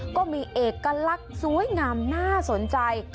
ก็มีเอกลักษณ์สวยงามน่าสนใจ